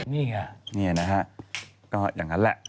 นี่ไงนี่นะฮะก็อย่างนั้นแหละ